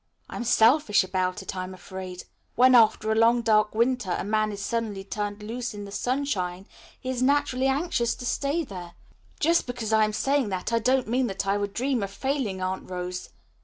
"I'm selfish about it, I'm afraid. When, after a long dark winter, a man is suddenly turned loose in the sunshine, he is naturally anxious to stay there. Just because I'm saying that, I don't mean that I would dream of failing Aunt Rose.